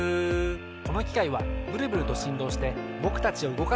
このきかいはブルブルとしんどうしてぼくたちをうごかしてくれます。